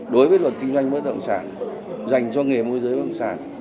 đối với luật kinh doanh bất động sản dành cho nghề môi giới bất động sản